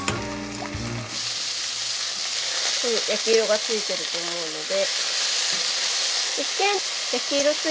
焼き色がついてると思うので。